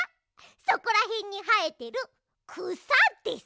そこらへんにはえてるくさです。